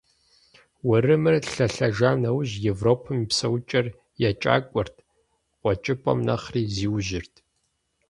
Урымыр лъэлъэжа нэужь, Европэм и псэукӀэр екӀакӀуэрт, КъуэкӀыпӀэм нэхъри зиужьырт.